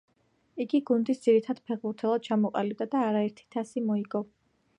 იგი გუნდის ძირითად ფეხბურთელად ჩამოყალიბდა და არაერთი თასი მოიგო.